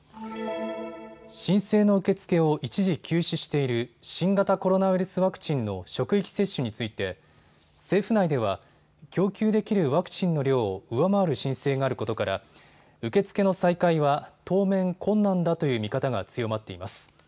申請の受け付けを一時休止している新型コロナウイルスワクチンの職域接種について政府内では供給できるワクチンの量を上回る申請があることから受け付けの再開は当面困難だという見方が強まっています。